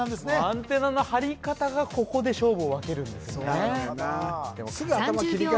アンテナの張り方がここで勝負を分けるんですよね。